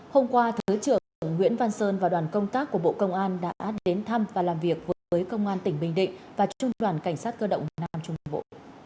hôm qua thứ trưởng nguyễn văn sơn và đoàn công tác của bộ công an đã đến thăm và làm việc với công an tỉnh bình định và trung đoàn cảnh sát cơ động nam trung bộ